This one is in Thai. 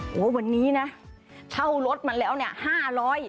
โห้วันนี้นะเท่ารถเหมือนแล้ว๕๐๐บาท